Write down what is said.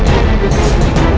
ya enak setelah menjerit